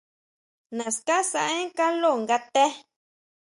Naská sʼaen kaló nga té.